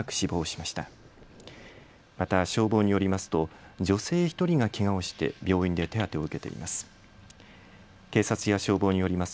また消防によりますと女性１人がけがをして病院で手当てを受けています。